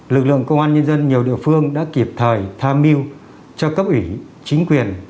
lực lượng công an nhân dân nhiều địa phương đã kịp thời tham mưu cho cấp ủy chính quyền